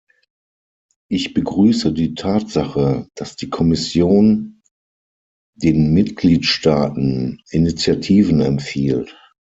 Ich begrüße die Tatsache, dass die Kommission den Mitgliedstaaten Initiativen empfiehlt.